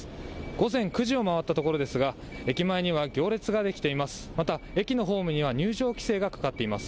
午前９時を回ったところですが駅前には行列ができています。